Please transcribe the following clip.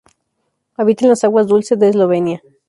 Habita en las aguas dulce de Eslovenia.